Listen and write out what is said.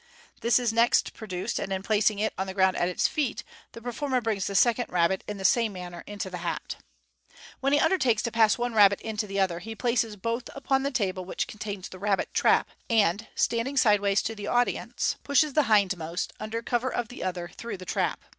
This is next pro duced, and in placing it on the ground at his feet, the performer brings the second rabbit in the same manner into the hat. When he undertakes to pass the one rabbit into the other, he places both upon the table which contains the rabbit trap, and, standing sideways to the audience, pushes the hindmost, under cover of the other, through the trap.